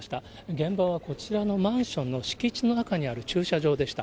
現場はこちらのマンションの敷地の中にある駐車場でした。